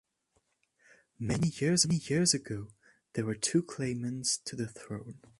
Many years ago, there were two claimants to the throne.